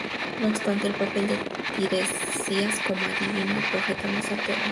No obstante, el papel de Tiresias como adivino y profeta no se alteró.